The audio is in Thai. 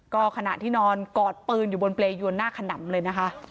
ก็ขณะที่นอนกอดปืนอยู่บนเปรยวนหน้าขนำเลยนะคะ